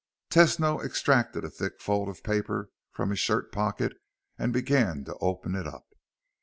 Tesno extracted a thick fold of paper from his shirt pocket and began to open it up.